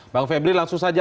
bang febridiasa langsung saja